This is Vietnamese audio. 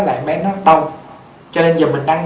là em bé nó tâu cho nên giờ mình đang